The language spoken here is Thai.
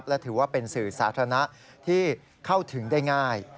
และถือว่าเป็นสื่อสาธารณะที่เข้าถึงได้ง่าย